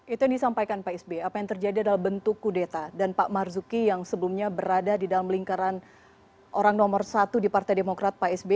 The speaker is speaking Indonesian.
itu yang disampaikan pak sby apa yang terjadi adalah bentuk kudeta dan pak marzuki yang sebelumnya berada di dalam lingkaran orang nomor satu di partai demokrat pak sby